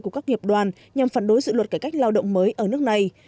của các nghiệp đoàn nhằm phản đối dự luật cải cách lao động mới ở nước này